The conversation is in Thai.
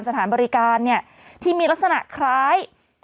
สถานบริการเนี่ยที่มีลักษณะคล้าย